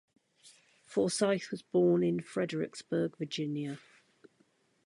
Forsyth was born in Fredericksburg, Virginia.